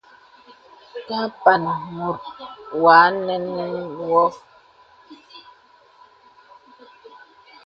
Ka mpàŋ mùt wa nə̀n wɔ.